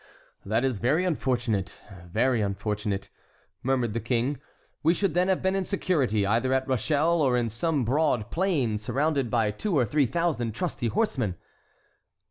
"That is very unfortunate, very unfortunate," murmured the king; "we should then have been in security, either at Rochelle or in some broad plain surrounded by two or three thousand trusty horsemen."